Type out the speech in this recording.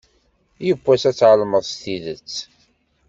Yiwwas ad tεelmeḍ s tidet.